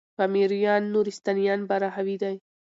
پامـــــیـــریــــان، نورســــتانــیان براهــــوی دی